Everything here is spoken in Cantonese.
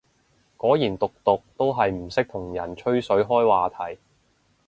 果然毒毒都係唔識同人吹水開話題